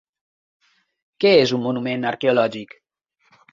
Què és un monument arqueològic?